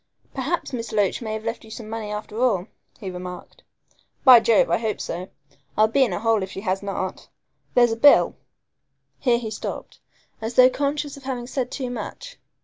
"Perhaps Miss Loach may have left you some money after all," he remarked. "By Jove, I hope so. I'll be in a hole if she has not. There's a bill " here he stopped, as though conscious of having said too much.